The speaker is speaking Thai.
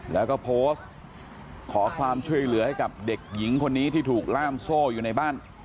แล้วก็โพสต์ขอความช่วยเหลือให้กับเด็กหญิงคนนี้ที่ถูกล่ามโซ่อยู่ในบ้าน